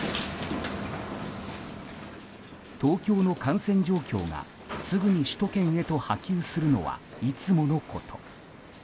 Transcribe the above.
東京の感染状況がすぐに首都圏へと波及するのはいつものこと。